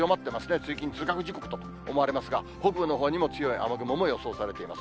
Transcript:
通勤・通学時刻と思われますが、北部のほうにも強い雨雲も予想されています。